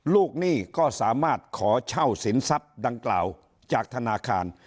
ลูกหนี้ก็สามารถขอเช่าสินทรัพย์ต่างจากธนาคาร